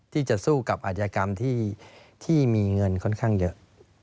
ที่จะสู้กับอาชญากรรมที่มีเงินค่อนข้างเยอะ